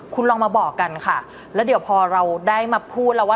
คุณลองมาบอกกันค่ะแล้วเดี๋ยวพอเราได้มาพูดแล้วว่า